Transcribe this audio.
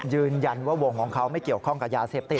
ยืนยันว่าวงของเขาไม่เกี่ยวข้องกับยาเสพติด